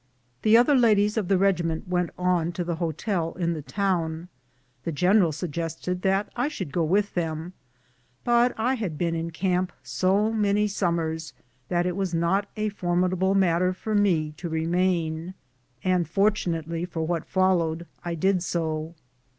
The other ladies of the regiment went on to the hotel in the town. The general suggested that I should go with them, but I had been in camp so many summers it was not a formidable matter for me to remain, and fortunately for what followed I did so.